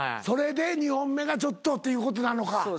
それで２本目がちょっとっていうことなのか。